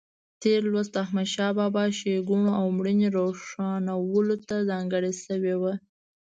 تېر لوست د احمدشاه بابا ښېګڼو او مړینې روښانولو ته ځانګړی شوی و.